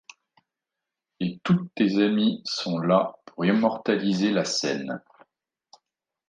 Et toutes tes amis sont là pour immortaliser la scène.